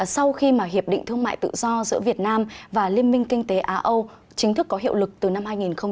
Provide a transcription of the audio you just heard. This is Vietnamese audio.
sau khi mà hiệp định thương mại tự do giữa việt nam và liên minh kinh tế á âu chính thức có hiệu lực từ năm hai nghìn một mươi sáu